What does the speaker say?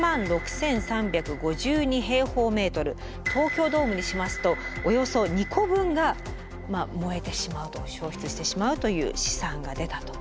東京ドームにしますとおよそ２個分が燃えてしまうと焼失してしまうという試算が出たと。